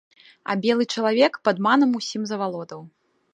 А белы чалавек падманам усім завалодаў.